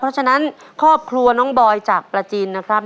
เพราะฉะนั้นครอบครัวน้องบอยจากประจีนนะครับ